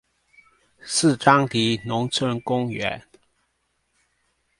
四張犁農村公園